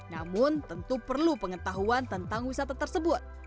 namun tentu perlu pengetahuan tentang wisata tersebut